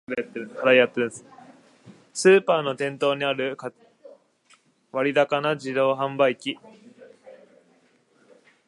スーパーの店頭にある割高な自動販売機